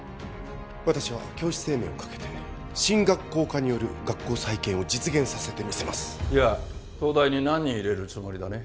私は教師生命をかけて進学校化による学校再建を実現させてみせますじゃあ東大に何人入れるつもりだね？